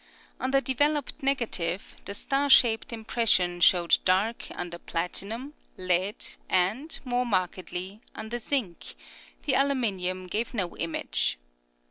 On the developed negative the star shaped impression showed dark under platinum, lead, and, more markedly, under zinc ; the aluminium gave no image.